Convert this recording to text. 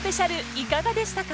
いかがでしたか？